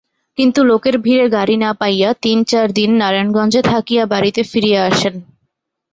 কিন্তু লোকের ভিড়ে গাড়ী না পাইয়া তিন-চার দিন নারায়ণগঞ্জে থাকিয়া বাড়ীতে ফিরিয়া আসেন।